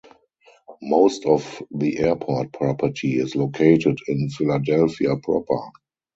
Most of the airport property is located in Philadelphia proper.